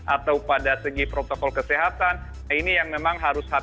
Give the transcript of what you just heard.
atau pada segi protokol kesehatan nah ini yang memang harus hati hati